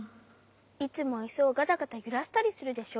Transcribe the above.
いつもイスをガタガタゆらしたりするでしょ？